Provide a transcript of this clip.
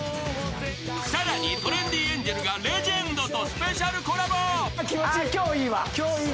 更に、トレンディエンジェルがレジェンドとスペシャルコラボ。